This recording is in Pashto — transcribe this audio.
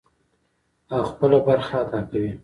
او خپله برخه ادا کوي.